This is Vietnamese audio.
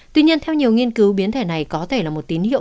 tuy nhiên theo nhiều nghiên cứu biến thể này có thể là một tín hiệu